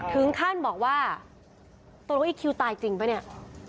ถึงขั้นบอกว่าตกลงอีคิวตายจริงป่ะเนี่ย